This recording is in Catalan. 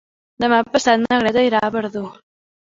Demà passat na Greta irà a Verdú.